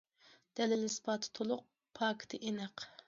دەلىل- ئىسپاتى تولۇق، پاكىتى ئېنىق.